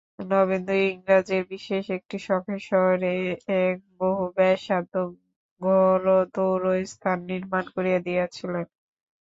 নবেন্দু ইংরাজের বিশেষ একটি শখের শহরে এক বহুব্যয়সাধ্য ঘোড়দৌড়স্থান নির্মাণ করিয়া দিয়াছিলেন।